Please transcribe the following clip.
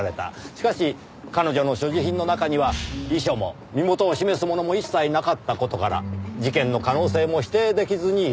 しかし彼女の所持品の中には遺書も身元を示すものも一切なかった事から事件の可能性も否定出来ずにいる。